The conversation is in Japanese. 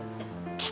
来た！